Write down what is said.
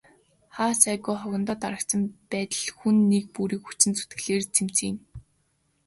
Хаа сайгүй хогондоо дарагдсан байдал хүн нэг бүрийн хүчин зүтгэлээр л цэмцийнэ.